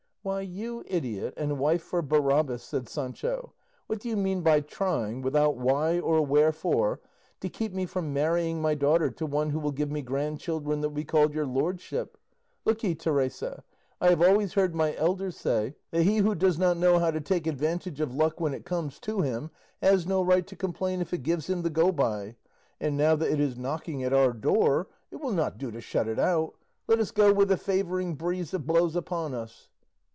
"Why, you idiot and wife for Barabbas," said Sancho, "what do you mean by trying, without why or wherefore, to keep me from marrying my daughter to one who will give me grandchildren that will be called 'your lordship'? Look ye, Teresa, I have always heard my elders say that he who does not know how to take advantage of luck when it comes to him, has no right to complain if it gives him the go by; and now that it is knocking at our door, it will not do to shut it out; let us go with the favouring breeze that blows upon us."